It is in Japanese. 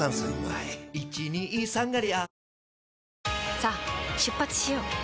さあ出発しよう。